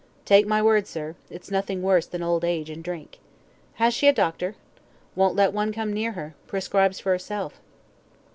"Take my word, sir, it's nothing worse than old age and drink." "Has she a doctor?" "Won't let one come near her prescribes for herself."